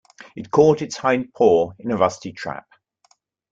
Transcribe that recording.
It caught its hind paw in a rusty trap.